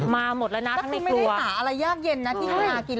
มันไม่ได้หาอะไรยากเย็นนะที่คุณอากิน